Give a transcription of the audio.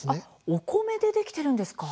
お米でできてるんですか？